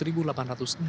arya dita utama fikri adin